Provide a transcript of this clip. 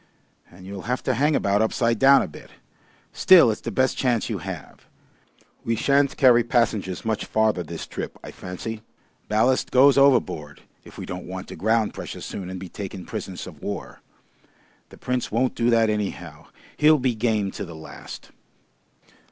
And you'll have to hang about upside down a bit. Still, it's the best chance you have. We shan't carry passengers much farther this trip, I fancy. Ballast goes over board if we don't want to ground precious soon and be taken prisoners of war. The Prince won't do that anyhow. He'll be game to the last."